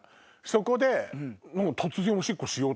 そこで。